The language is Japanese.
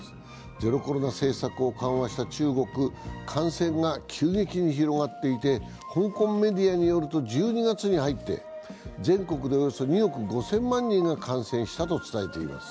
ゼロコロナ政策を緩和した中国では感染が急激に広がっていて香港メディアによると、１２月に入って全国でおよそ２億５０００万人が感染したと伝えています。